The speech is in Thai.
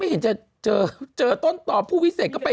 ไม่เห็นจะเจอต้นตอบผู้วิเศษก็ไป